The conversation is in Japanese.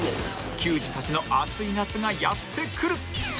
球児たちの熱い夏がやってくる！